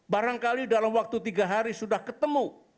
barangkali dalam waktu tiga hari sudah ketemu